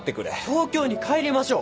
東京に帰りましょう！